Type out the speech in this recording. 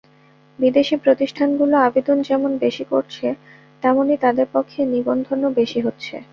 বিদেশি প্রতিষ্ঠানগুলো আবেদন যেমন বেশি করছে, তেমনি তাদের পক্ষে নিবন্ধনও বেশি হচ্ছে।